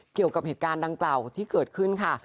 เกี่ยวกับเหตุการณ์ดังกล่าวที่เกิดขึ้นค่ะ